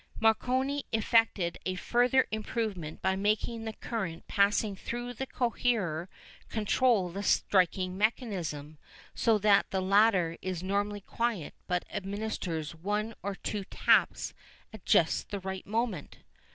Marconi effected a further improvement by making the current passing through the coherer control the striking mechanism, so that the latter is normally quiet but administers one or two taps at just the right moment.